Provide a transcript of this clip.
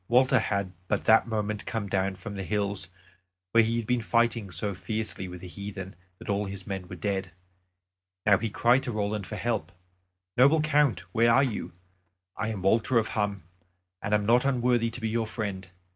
Walter had but that moment come down from the hills where he had been fighting so fiercely with the heathen that all his men were dead; now he cried to Roland for help. "Noble Count, where are you? I am Walter of Hum, and am not unworthy to be your friend.